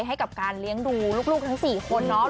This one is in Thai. ให้กับการเลี้ยงดูลูกทั้ง๔คนเนาะ